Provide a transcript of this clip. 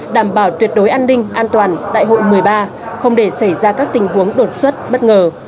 đảm bảo tuyệt đối an ninh an toàn đại hội một mươi ba không để xảy ra các tình huống đột xuất bất ngờ